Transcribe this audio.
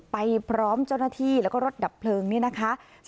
ไปพร้อมเจ้าหน้าที่แล้วก็รถดับเพลิงนี่นะคะ